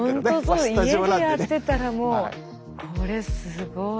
家でやってたらもうこれすごいな。